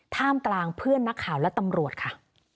ท่ามกลางเพื่อนนักข่าวและตำรวจค่ะ